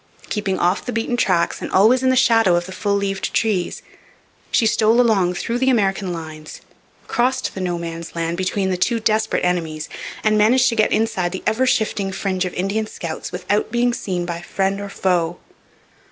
Keeping off the beaten tracks and always in the shadow of the full leaved trees, she stole along through the American lines, crossed the no man's land between the two desperate enemies, and managed to get inside the ever shifting fringe of Indian scouts without being seen by friend or foe.